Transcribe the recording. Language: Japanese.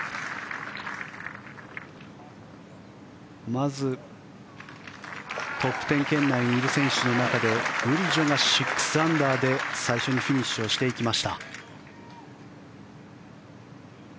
まずトップ１０圏内にいる選手の中でグリジョが６アンダーで最初にフィニッシュしていきました。